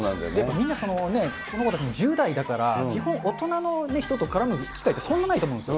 みんな、この子たちも１０代だから基本、大人の人とからむ機会ってそんなにないと思うんですよ。